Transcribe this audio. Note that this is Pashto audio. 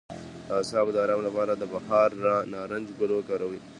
د اعصابو د ارام لپاره د بهار نارنج ګل وکاروئ